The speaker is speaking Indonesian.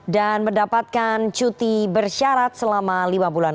dan mendapatkan cuti bersyarat selama lima bulan